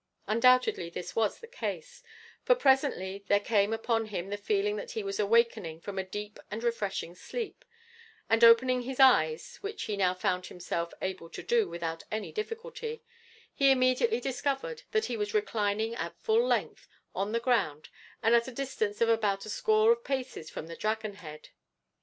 Undoubtedly this was the case, for presently there came upon him the feeling that he was awakening from a deep and refreshing sleep, and opening his eyes, which he now found himself able to do without any difficulty, he immediately discovered that he was reclining at full length on the ground, and at a distance of about a score of paces from the dragon head.